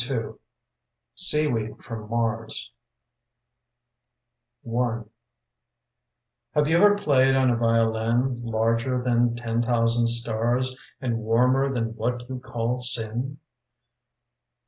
SEAWEED FROM MARS H AVE you ever played on a violin Larger than ten thousand stars And warmer than what you call sin?